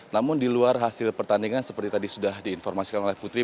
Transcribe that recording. namun di luar hasil pertandingan seperti tadi sudah diinformasikan oleh putri